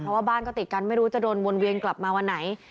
เพราะว่าบ้านก็ติดกันไม่รู้จะโดนวนเวียนกลับมาวันไหน